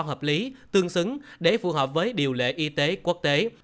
hợp lý tương xứng để phù hợp với điều lệ y tế quốc tế